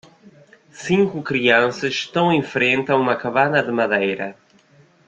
Cinco crianças estão em frente a uma cabana de madeira.